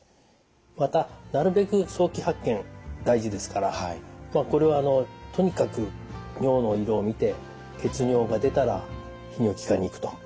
またなるべく早期発見大事ですからこれはとにかく尿の色を見て血尿が出たら泌尿器科に行くと。